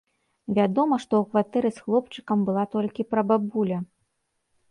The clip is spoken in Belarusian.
Вядома, што ў кватэры з хлопчыкам была толькі прабабуля.